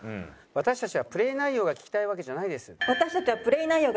私たちはプレイ内容が聞きたいわけじゃないです。